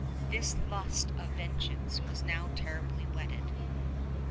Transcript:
This lust of vengeance was now terribly whetted.